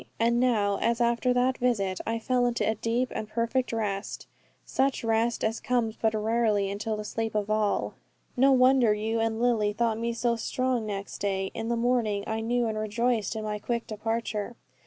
And now, as after that visit, I fell into deep and perfect rest, such rest as comes but rarely until the sleep of all. No wonder you and Lily thought me so strong next day. In the morning I knew and rejoiced in my quick departure.